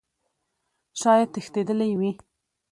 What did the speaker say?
شايد تښتيدلى وي .